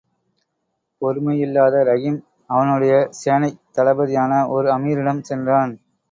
பொறுமையில்லாத ரஹீம் அவனுடைய சேனைக் தளபதியான ஓர் அமீரிடம் சென்றான்.